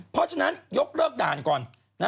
เพราะฉะนั้นยกเลิกด่านก่อน